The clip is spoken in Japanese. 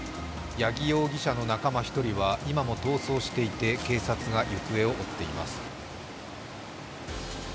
八木容疑者の仲間１人は今も逃走していて、警察が行方を追っています。